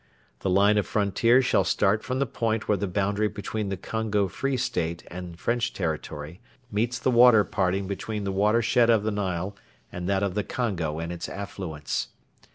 The line of frontier shall start from the point where the boundary between the Congo Free State and French territory meets the water parting between the watershed of the Nile and that of the Congo and its affluents.